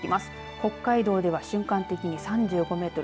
北海道では瞬間的に３５メートル